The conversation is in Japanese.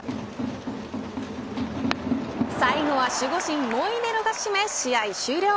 最後は守護神モイネロが締め試合終了。